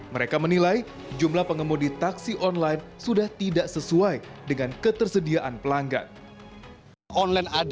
mereka menilai jumlah pengemudi taksi online sudah tidak sesuai dengan ketersediaan pelanggan